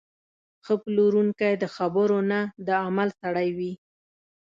ښه پلورونکی د خبرو نه، د عمل سړی وي.